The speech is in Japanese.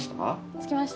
着きました。